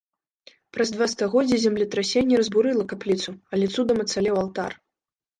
Праз два стагоддзі землетрасенне разбурыла капліцу, але цудам ацалеў алтар.